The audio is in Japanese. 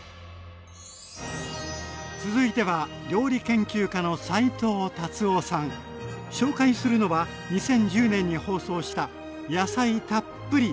続いては紹介するのは２０１０年に放送した野菜たっぷり！